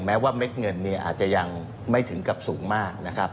แม้ว่าเม็ดเงินอาจจะยังไม่ถึงกับสูงมาก